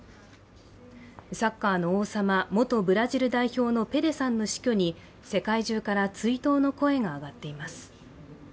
サッカーの王様、元ブラジル代表のペレさんの死去に世界中から追悼の声が上がっています。